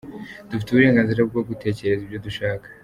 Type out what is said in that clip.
Dufite uburenganzira bwo gutekereza ibyo dushaka”.